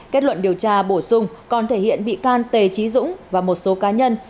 kết luận điều tra bổ sung còn thể hiện bị can tề trí dũng và một số cá nhân